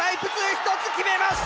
１つ決めました！